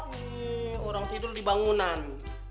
hmm orang tidur di bangunan